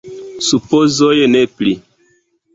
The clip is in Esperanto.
Supozoj, ne pli.